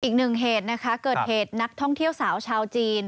อีกหนึ่งเหตุนะคะเกิดเหตุนักท่องเที่ยวสาวชาวจีน